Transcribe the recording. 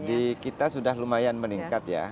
di kita sudah lumayan meningkat ya